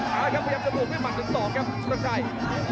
พยายามจะปลูกให้มันจนสองครับชุกรักชัย